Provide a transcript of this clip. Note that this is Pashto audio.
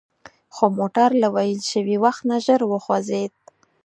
خو موټر له ویل شوي وخت نه ژر وخوځید.